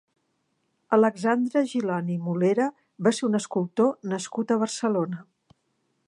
Alexandre Ghilloni i Molera va ser un escultor nascut a Barcelona.